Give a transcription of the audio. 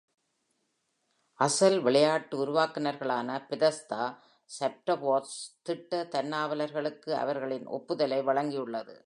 அசல் விளையாட்டு உருவாக்குநர்களான பெதஸ்தா சாப்ட்வொர்க்ஸ், திட்ட தன்னார்வலர்களுக்கு அவர்களின் ஒப்புதலை வழங்கியுள்ளது.